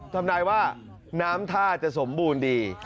ทำนายว่าน้ำท่าจะสมบูรณ์ดี